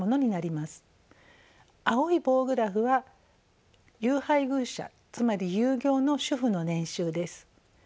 青い棒グラフは有配偶者つまり有業の主婦の年収です。